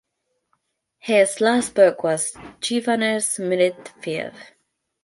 His last book was "Jivaner Smritidvipe".